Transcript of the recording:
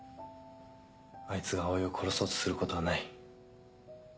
あいつが葵を殺そうとすることはない。